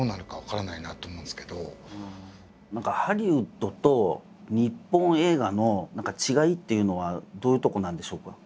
何かハリウッドと日本映画の違いっていうのはどういうとこなんでしょうか？